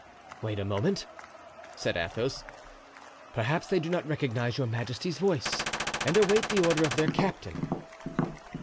"Wait a moment," said Athos, "perhaps they do not recognize your majesty's voice, and await the order of their captain."